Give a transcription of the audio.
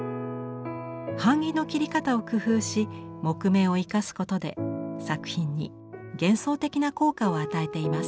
版木の切り方を工夫し木目を生かすことで作品に幻想的な効果を与えています。